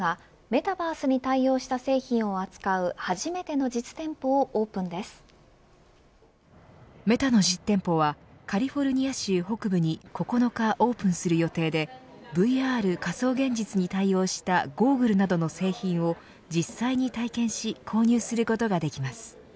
メタの実店舗はカリフォルニア州北部に９日オープンする予定でＶＲ仮想現実に対応したゴーグルなどの製品を実際に体験し購入することができます。